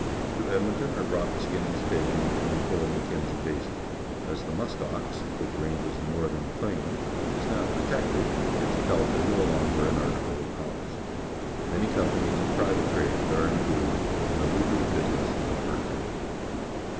To Edmonton are brought the skins taken in the whole Mac kenzie Ba.sin. As th e musk ox, which ranges the Northern Plain, is now protected, its pelt is no longer an article of commerce. ^Manj' companies and private traders are engaged in the lucrative business of fur trading.